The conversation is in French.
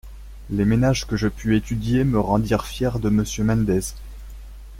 Les ménages que je pus étudier me rendirent fière de Monsieur Mendez.